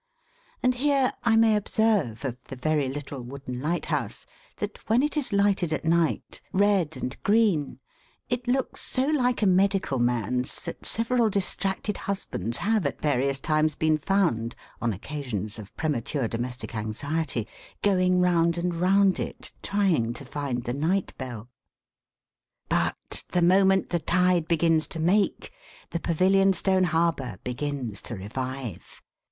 And here I may observe of the very little wooden lighthouse, that when it is lighted at night,—red and green,—it looks so like a medical man's, that several distracted husbands have at various times been found, on occasions of premature domestic anxiety, going round and round it, trying to find the Nightbell. But, the moment the tide begins to make, the Pavilionstone Harbour begins to revive.